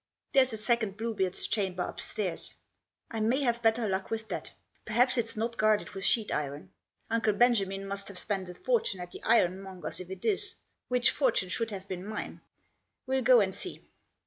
" There's a second Bluebeard's chamber upstairs. I may have better luck with that ; perhaps it's not guarded with sheet iron. Uncle Benjamin must have spent a fortune at the ironmonger's if it is, which fortune should have been mine. We'll go and see."